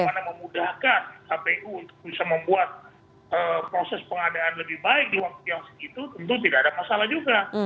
bagaimana memudahkan kpu untuk bisa membuat proses pengadaan lebih baik di waktu yang segitu tentu tidak ada masalah juga